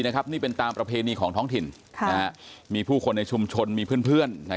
นี่เป็นตามประเพณีของท้องถิ่นมีผู้คนในชุมชนมีเพื่อน